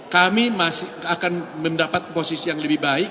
kami akan mendapat posisi yang lebih baik